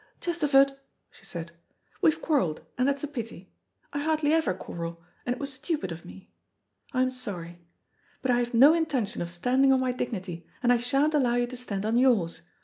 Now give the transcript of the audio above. "Chesterford," she said, "we've quarrelled, and that's a pity. I hardly ever quarrel, and it was stupid of me. I am sorry. But I have no intention of standing on my dignity, and I sha'n't allow you to stand on yours.